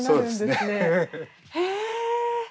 へえ！